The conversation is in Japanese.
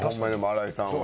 新井さんは。